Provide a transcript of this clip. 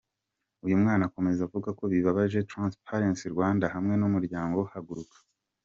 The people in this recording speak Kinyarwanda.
Uyu mwana akomeza avuga ko bitabaje Transparency Rwanda, hamwe n’umuryango Haguruka.